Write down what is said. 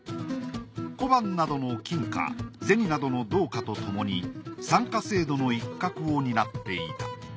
小判などの金貨銭などの銅貨とともに三貨制度の一角を担っていた。